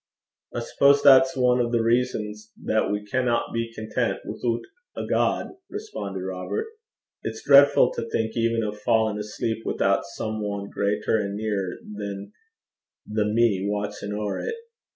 'I suppose that's ane o' the reasons that we canna be content withoot a God,' responded Robert. 'It's dreidfu' to think even o' fa'in' asleep withoot some ane greater an' nearer than the me watchin' ower 't.